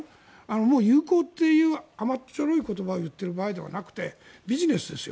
もう友好っていう甘っちょろい言葉を言っている場合ではなくてビジネスですよ。